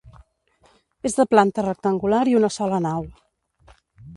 És de planta rectangular i una sola nau.